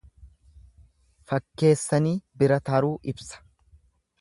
Fakkeessanii bira taruu ibsa.